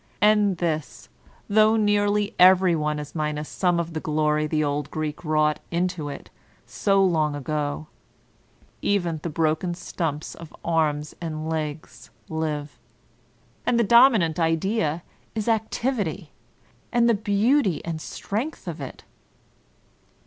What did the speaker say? And this though nearly every one is minus some of the glory the old Greek wrought into it so long ago; even the broken stumps of arms and legs live. And the dominant idea is Activity, and the beauty and strength of it.